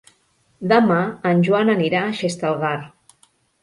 Demà en Joan anirà a Xestalgar.